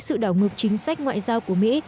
sự đảo ngược chính sách ngoại giao của mỹ